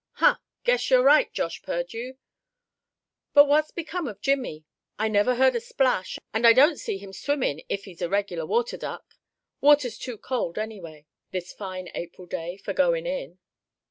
"Huh! guess you're right, Josh Purdue; but what's become of Jimmie. I never heard a splash, and I don't see him swimmin', if he is a regular water duck. Water's too cold any way, this fine April day, for goin' in."